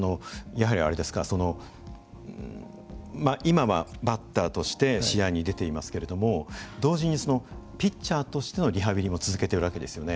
その今はバッターとして試合に出ていますけれども同時にピッチャーとしてのリハビリも続けているわけですよね。